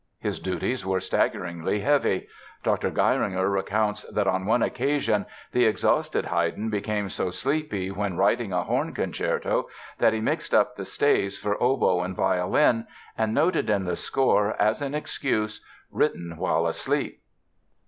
His duties were staggeringly heavy. Dr. Geiringer recounts that, on one occasion, the exhausted Haydn became so sleepy while writing a horn concerto that he "mixed up the staves for oboe and violin, and noted in the score as an excuse 'written while asleep.